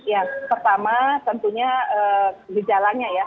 ya pertama tentunya gejalanya ya